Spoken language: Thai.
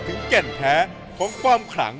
ถึงเก่นแพ้ของความขัง